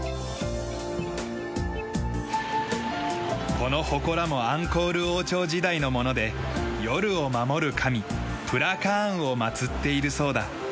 この祠もアンコール王朝時代のもので夜を守る神プラカーンを祭っているそうだ。